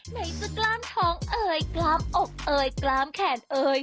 ไหนจะกล้ามท้องเอ่ยกล้ามอกเอ่ยกล้ามแขนเอ่ย